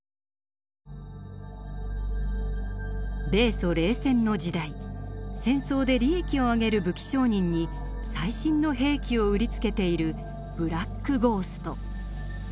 米ソ冷戦の時代戦争で利益をあげる武器商人に最新の兵器を売りつけているブラック・ゴースト。